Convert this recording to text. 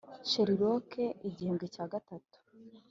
sherlock igihembwe cya gatatu.